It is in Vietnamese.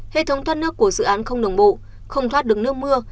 hệ thống thoát nước của dự án không đồng bộ không thoát được nước mưa